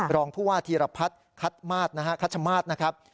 รองผู้ว่าธีรพัฒน์คัชมาศนะครับ